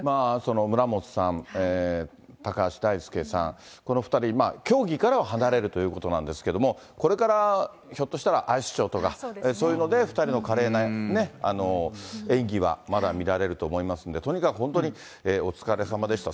村元さん、高橋大輔さん、この２人、競技からは離れるということなんですけども、これからひょっとしたらアイスショーとか、そういうので２人の華麗な演技はまだ見られると思いますので、とにかく本当にお疲れさまでした。